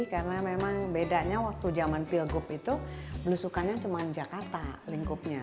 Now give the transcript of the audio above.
karena memang bedanya waktu zaman pilgub itu berusukannya cuma jakarta lingkupnya